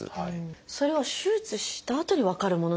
それは手術したあとに分かるものなんですか？